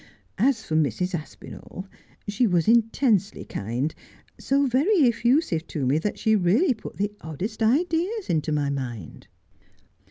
As for Mrs. Aspinall, she was intensely kind —so very effusive to me that she really put the oddest ideas into my mind.'